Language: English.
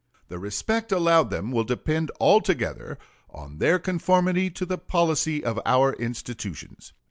The respect allowed them will depend altogether on their conformity to the policy of our institutions.